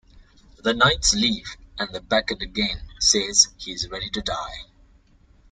The knights leave and Becket again says he is ready to die.